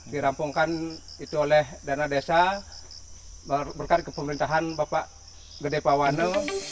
dirampungkan itu oleh dana desa berkat kepemerintahan bapak gede pawano